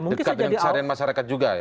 dekat dengan keseharian masyarakat juga ya